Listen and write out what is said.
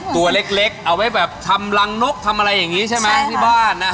ตัวเล็กเอาไว้แบบทำรังนกทำอะไรอย่างนี้ใช่ไหมที่บ้านนะ